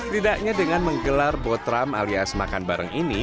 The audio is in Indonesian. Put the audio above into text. tidaknya dengan menggelar botram alias makan bareng ini